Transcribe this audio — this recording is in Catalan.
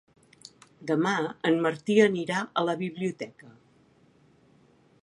Demà en Martí anirà a la biblioteca.